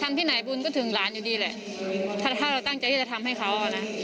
ทำที่ไหนบุญก็จะถึงหลานอยู่ดีเราตั้งใจจะทำให้เขา